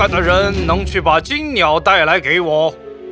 ada yang bisa membawa anjing kembali kekuasaan